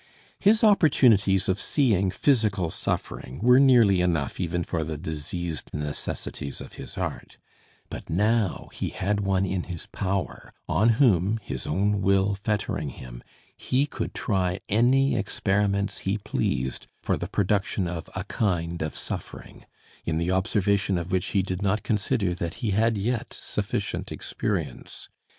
His opportunities of seeing physical suffering were nearly enough even for the diseased necessities of his art; but now he had one in his power, on whom, his own will fettering him, he could try any experiments he pleased for the production of a kind of suffering, in the observation of which he did not consider that he had yet sufficient experience.